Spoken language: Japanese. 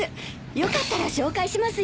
よかったら紹介しますよ。